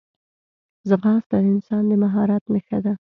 ځغاسته د انسان د مهارت نښه ده